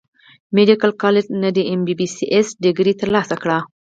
ميديکل کالج نۀ د ايم بي بي ايس ډګري تر لاسه کړه